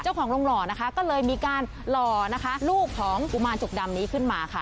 เจ้าของโรงหล่อนะคะก็เลยมีการหล่อนะคะลูกของกุมารจุกดำนี้ขึ้นมาค่ะ